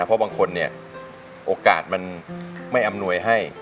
เพราะบางคนเนี่ยโอกาสมันไม่อำนวยให้